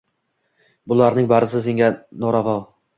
Bularning barisi senga noravo!